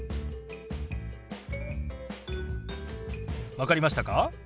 分かりましたか？